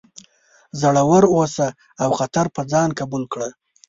زړور اوسه او خطر په ځان قبول کړه.